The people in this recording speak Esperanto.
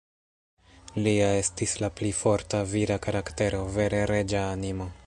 Lia estis la pli forta, vira karaktero; vere reĝa animo.